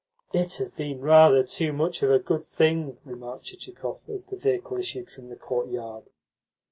"It has been rather too much of a good thing," remarked Chichikov as the vehicle issued from the courtyard.